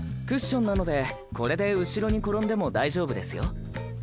クッションなのでこれで後ろに転んでも大丈夫ですよ。